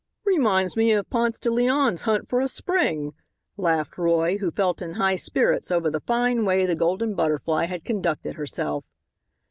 "Reminds me of Ponce de Leon's hunt for a spring," laughed Roy, who felt in high spirits over the fine way the Golden Butterfly had conducted herself.